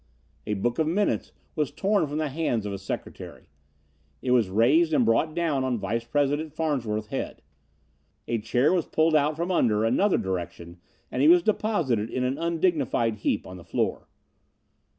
A book of minutes was torn from the hands of a secretary. It was raised and brought down on vice president Farnsworth's head. A chair was pulled out from under another direction and he was deposited in an undignified heap on the floor.